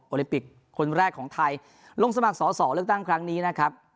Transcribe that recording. ลิปิกคนแรกของไทยลงสมัครสอสอเลือกตั้งครั้งนี้นะครับ